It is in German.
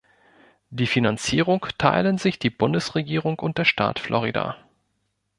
Die Finanzierung teilen sich die Bundesregierung und der Staat Florida.